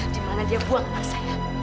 di mana dia buang anak saya